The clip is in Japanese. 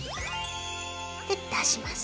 で出します。